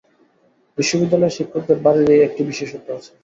বিশ্ববিদ্যালয়ের শিক্ষকদের বাড়ির এই একটি বিশেষত্ব আছে।